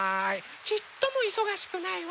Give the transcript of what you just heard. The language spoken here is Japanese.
ちっともいそがしくないわ。